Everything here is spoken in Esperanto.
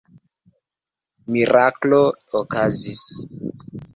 Miraklo okazis.